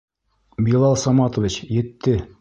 Билал Саматович, етте.